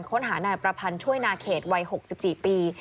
ค้นหานายประพันธ์ช่วยนาเขตวัย๖๔ปี